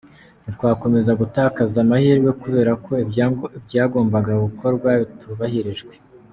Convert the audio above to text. Ntitwakomeza gutakaza amahirwe kubera ko ibyagombaga gukorwa bitubahirijwe.